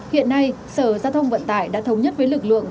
hiện nay sở giao thông vận tải đã thống nhất với lực lượng